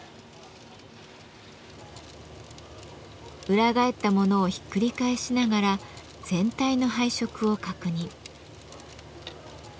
裏返ったものをひっくり返しながら全体の配色を確認。